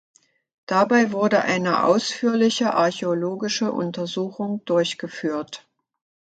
Dabei wurde eine ausführliche archäologische Untersuchung durchgeführt.